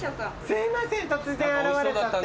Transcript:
すいません突然現れちゃって。